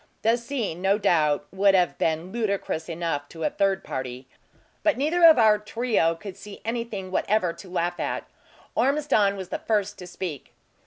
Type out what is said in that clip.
The scene, no doubt, would have been ludicrous enough to a third party; but neither of our trio could saw anything whatever to laugh at. Ormiston was the first to speak.